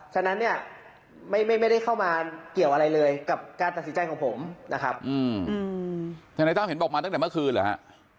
ฉะนั้นเนี่ยไม่ได้เข้ามาเกี่ยวอะไรเลยกับการตัดสินใจของผมนะครับทนายตั้มเห็นบอกมาตั้งแต่เมื่อคืนเหรอฮะ